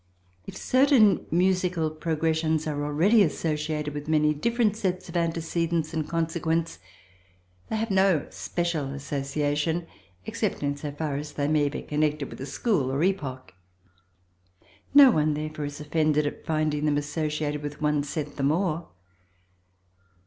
If certain musical progressions are already associated with many different sets of antecedents and consequents, they have no special association, except in so far as they may be connected with a school or epoch; no one, therefore, is offended at finding them associated with one set the more.